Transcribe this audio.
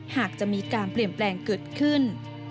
หากจะมีการเปลี่ยนแปลงเกิดขึ้น